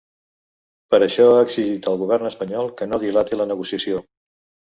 Per això ha exigit al govern espanyol que no dilati la negociació.